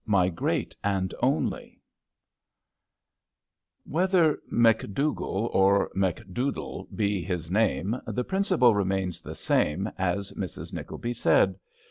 MY GEEAT AND ONLY T\7HETHER Macdougal or Macdoodle be his ^^ name, the principle remains the same, as Mrs. Niekleby said.